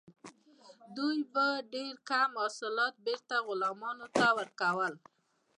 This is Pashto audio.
دوی به ډیر کم حاصلات بیرته غلامانو ته ورکول.